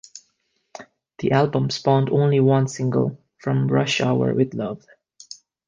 The album spawned only one single, From Rush Hour With Love.